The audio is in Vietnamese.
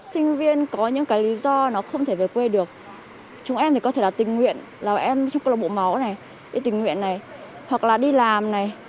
sinh viên có những cái lý do nó không thể về quê được chúng em thì có thể là tình nguyện là em trong câu lọc bộ máu này đi tình nguyện này hoặc là đi làm này